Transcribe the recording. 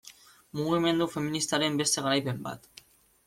Mugimendu feministaren beste garaipen bat.